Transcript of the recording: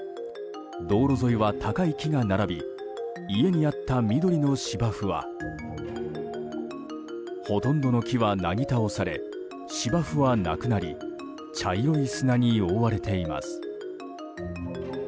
道路沿いは高い木が並び家にあった緑の芝生はほとんどの木はなぎ倒され芝生はなくなり茶色い砂に覆われています。